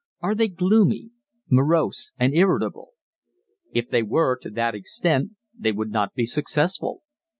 Are they gloomy, morose and irritable? If they were to that extent they would not be successful.